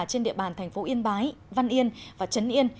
trên địa bàn thành phố yên bái văn yên và trấn yên